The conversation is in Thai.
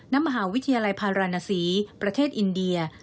ณมหาวิทยาลัยพาราณศรีประเทศอินเดีย